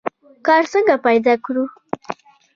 کار څنګه پیدا کړو؟